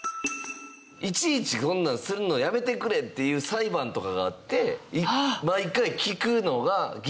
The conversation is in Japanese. いちいちこんなんするのやめてくれっていう裁判とかがあって毎回聞くのが義務化されたみたいな。